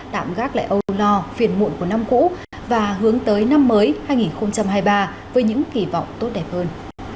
tạm gác lại âu lo phiền muộn của năm cũ và hướng tới năm mới hai nghìn hai mươi ba với những kỳ vọng tốt đẹp hơn